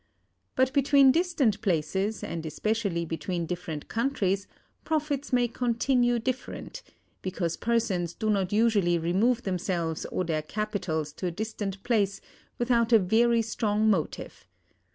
But between distant places, and especially between different countries, profits may continue different; because persons do not usually remove themselves or their capitals to a distant place without a very strong motive.